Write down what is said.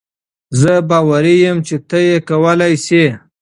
زۀ باوري يم چې تۀ یې کولای شې.